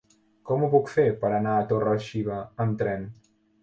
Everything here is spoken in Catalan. Com ho puc fer per anar a Torre-xiva amb tren?